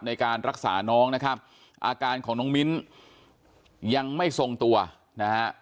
ในการรักษาน้องนะครับอาการของน้องมิ้นยังไม่ทรงตัวนะฮะ